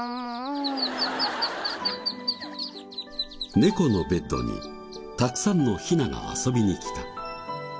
猫のベッドにたくさんのヒナが遊びに来た。